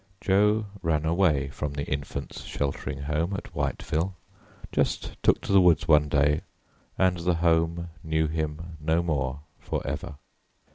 Jo ran away from the Infants' Sheltering Home at Whiteville just took to the woods one day, and the Home knew him no more for ever.